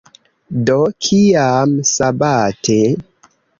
Do, kiam sabate?"